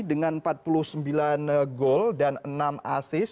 dengan empat puluh sembilan gol dan enam asis